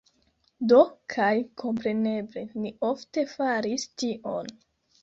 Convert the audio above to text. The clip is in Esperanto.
Do, kaj kompreneble, ni ofte faris tion.